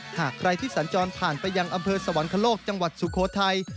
หากใครที่สัญจรผ่านไปยังอำเภอสวรรคโลกจังหวัดสุโขทัย